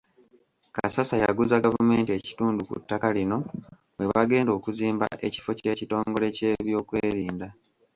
Kasasa yaguza gavumenti ekitundu ku ttaka lino we bagenda okuzimba ekifo ky’ekitongole ky’ebyokwerinda.